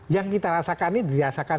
yang kita rasakan ini dirasakan